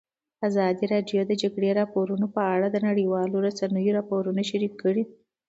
ازادي راډیو د د جګړې راپورونه په اړه د نړیوالو رسنیو راپورونه شریک کړي.